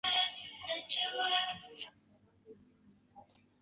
Es la base de operaciones de la aerolínea rusa Aeroflot.